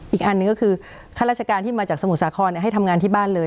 อีกอันหนึ่งก็คือข้าราชการที่มาจากสมุทรสาครให้ทำงานที่บ้านเลย